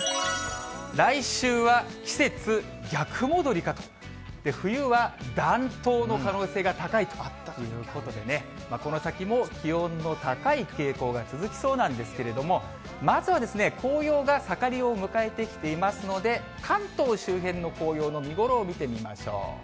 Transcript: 来週は季節逆戻りかと、冬は暖冬の可能性が高いということでね、この先も気温の高い傾向が続きそうなんですけれども、まずは紅葉が盛りを迎えてきていますので、関東周辺の紅葉の見頃を見てみましょう。